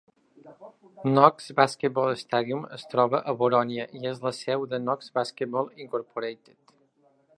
Knox Basketball Stadium es troba a Borònia i és la seu de Knox Basketball Incorporated.